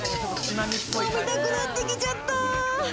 飲みたくなってきちゃった！